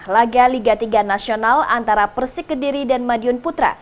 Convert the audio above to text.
laga liga tiga nasional antara persik kediri dan madiun putra